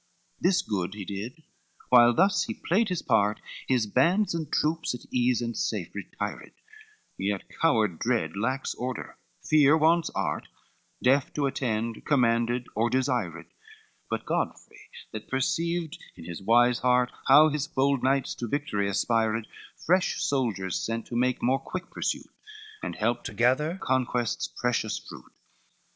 CXIV This good he did, while thus he played his part, His bands and troops at ease, and safe, retired; Yet coward dread lacks order, fear wants art, Deaf to attend, commanded or desired. But Godfrey that perceived in his wise heart, How his bold knights to victory aspired, Fresh soldiers sent, to make more quick pursuit, And help to gather conquest's precious fruit.